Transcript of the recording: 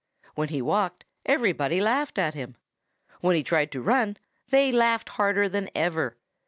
When he walked, everybody laughed at him. When he tried to run, they laughed harder than ever.